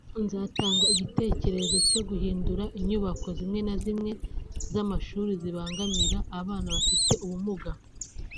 nzatanga igitekerezo cyo guhindura inyubako zimwe na zimwe z’amashuri zibangamira abana bafite ubumuga”